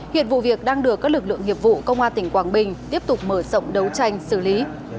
hiện vụ việc đang được các lực lượng nghiệp vụ công an tỉnh quảng bình tiếp tục mở rộng đấu tranh xử lý